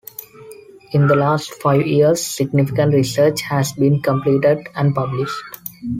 In the last five years significant research has been completed and published.